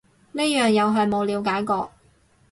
呢樣又係冇了解過